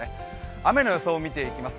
雨の予想を見ていきます